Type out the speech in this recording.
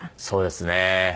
そうですね。